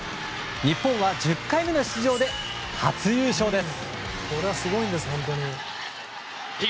日本は１０回目の出場で初優勝です。